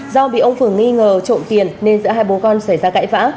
do bị ông phượng nghi ngờ trộm tiền nên giữa hai bố con xảy ra cãi vã